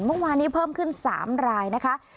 เมื่อวานนี้เพิ่มขึ้น๓รายนะคะ